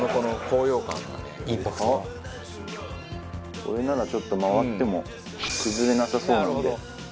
これならちょっと回っても崩れなさそうなので。